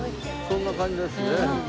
そんな感じですね。